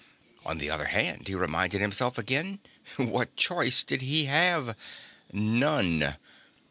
On the other hand, he reminded himself again, what choice did he have? None.